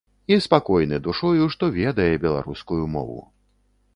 І спакойны душою, што ведае беларускую мову.